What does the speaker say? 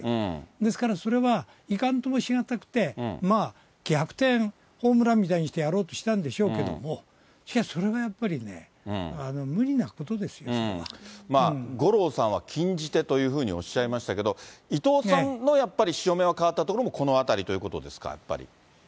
ですからそれは、いかんともしがたくて、まあ、逆転ホームランみたいにしてやろうとしたんでしょうけども、しかしそれはやっぱりね、無理なことですよ、まあ五郎さんは禁じ手というふうにおっしゃいましたけれども、伊藤さんもやっぱり、潮目が変わったところもこのあたりということですか？